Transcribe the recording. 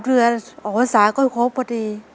เรือออกภาษาก็ครบพอดี